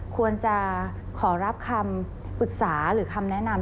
ควรจะขอรับคำปรึกษาหรือคำแนะนำ